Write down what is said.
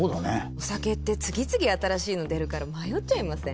お酒って次々新しいの出るから迷っちゃいません？